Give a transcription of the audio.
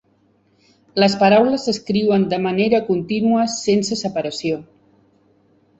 Les paraules s'escriuen de manera contínua sense separació.